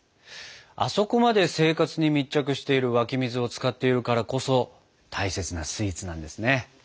あそこまで生活に密着している湧き水を使っているからこそ大切なスイーツなんですね。